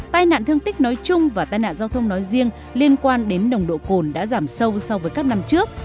tai nạn thương tích nói chung và tai nạn giao thông nói riêng liên quan đến nồng độ cồn đã giảm sâu so với các năm trước